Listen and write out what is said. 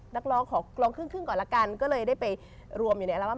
นักร้องขอร้องครึ่งก่อนละกันก็เลยได้ไปรวมอยู่ในอัลบั้ม